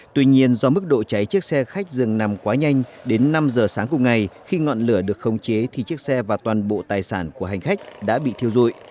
tuy nhiên do mức độ cháy chiếc xe khách dừng nằm quá nhanh đến năm giờ sáng cùng ngày khi ngọn lửa được khống chế thì chiếc xe và toàn bộ tài sản của hành khách đã bị thiêu dụi